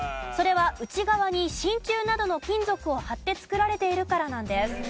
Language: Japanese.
それは内側に真鍮などの金属を張って作られているからなんです。